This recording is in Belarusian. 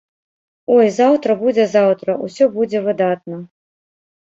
Ай, заўтра будзе заўтра, усё будзе выдатна!